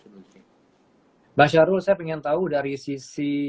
mbak syarul saya ingin tahu dari sisi